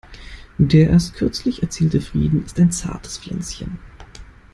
Der erst kürzlich erzielte Frieden ist ein zartes Pflänzchen.